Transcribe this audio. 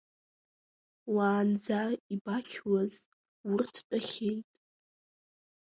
Уаанӡа ибақьуаз, урҭ тәахьеит.